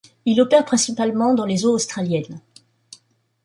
Il opère principalement dans les eaux australiennes.